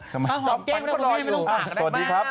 สวัสดีครับ